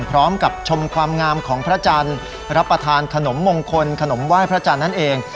ชมความงามของพระจันทร์รับประทานขนมมงคลขนมไหว้พระจันทร์นั่นเอง